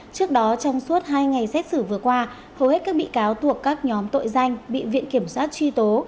trước đó trong suốt hai ngày xét xử vừa qua hầu hết các bị cáo thuộc các nhóm tội danh bị viện kiểm soát truy tố